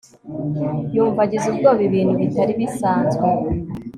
yumva agize ubwoba ibintu bitari bisanzwe